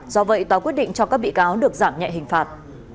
do vậy tòa quyết định cho các bị cáo được giảm nhẹ hình phạt